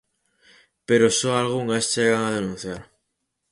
Pero só algunhas chegan a denunciar.